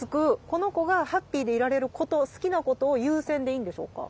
この子がハッピーでいられること好きなことを優先でいいんでしょうか？